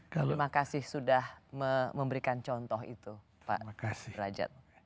terima kasih sudah memberikan contoh itu pak derajat